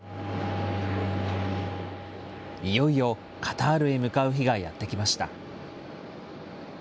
いよいよカタールへ向かう日がやって来ました。